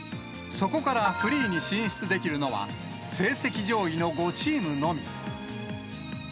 そこからフリーに進出できるのは、成績上位の５チームのみ。